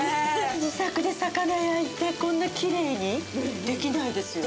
自宅で魚焼いてこんなきれいにできないですよね。